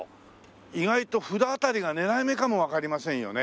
意外と布田辺りが狙い目かもわかりませんよね。